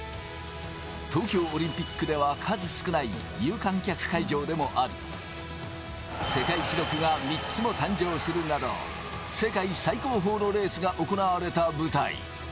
東京オリンピックでは数少ない有観客会場でもあり、世界記録が３つも誕生するなど、世界最高峰のレースが行われた舞台。